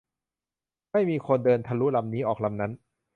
ไม่มีคน เดินทะลุลำนี้ ออกลำนั้น